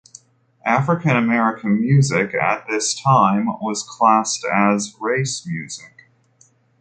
African-American music at this time was classed as "race music".